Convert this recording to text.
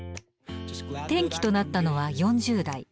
転機となったのは４０代。